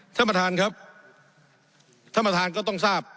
ท่านประธานครับท่านประธานก็ต้องทราบ